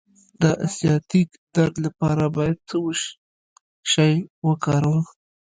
د سیاتیک درد لپاره باید څه شی وکاروم؟